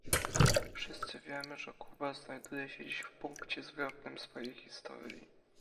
Wszyscy wiemy, że Kuba znajduje się dziś w punkcie zwrotnym swojej historii